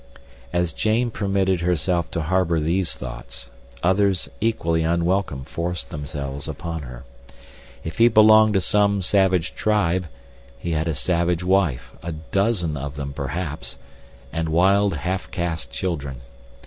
As Jane permitted herself to harbor these thoughts, others equally unwelcome forced themselves upon her. If he belonged to some savage tribe he had a savage wife—a dozen of them perhaps—and wild, half caste children.